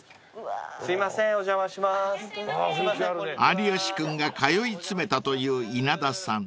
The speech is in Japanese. ［有吉君が通い詰めたといういなださん］